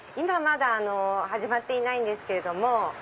まだ始まっていないんですけども。